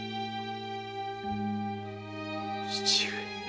父上。